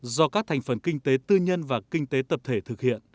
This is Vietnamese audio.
do các thành phần kinh tế tư nhân và kinh tế tập thể thực hiện